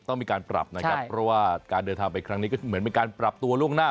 ต้องมีการปรับนะครับเพราะว่าการเดินทางไปครั้งนี้ก็เหมือนเป็นการปรับตัวล่วงหน้า